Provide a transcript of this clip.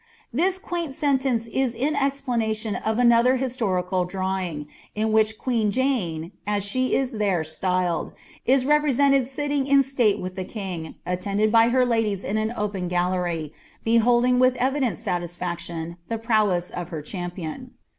This <tuaini sentence is in eiplanaiion of another historinl ^wi^ in which •* queen Jane," as she is iliere stylefl, is rppresenlcJ litliitf n elate with the hing, attended by her Inilies in an open ^teiy, betKHOf with evidf.nt saiislkciioD the prowess of her champion.